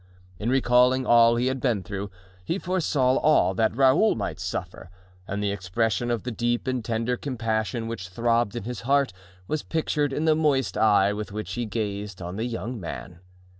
In recalling all he had been through, he foresaw all that Raoul might suffer; and the expression of the deep and tender compassion which throbbed in his heart was pictured in the moist eye with which he gazed on the young man.